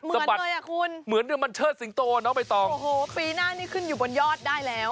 สะบัดเหมือนเลยครับคุณโอ้โฮปีหน้านี้ขึ้นอยู่บนยอดได้แล้ว